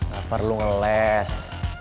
gak perlu ngeles